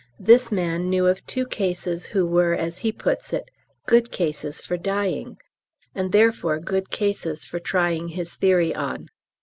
This man knew of two cases who were, as he puts it, "good cases for dying," and therefore good cases for trying his theory on.